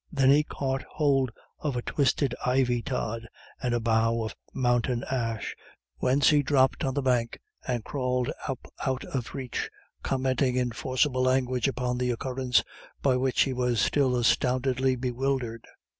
There he caught hold of a twisted ivy tod and a bough of mountain ash, whence he dropped on the bank, and crawled up it out of reach, commenting in forcible language upon the occurrence, by which he was still astoundedly bewildered.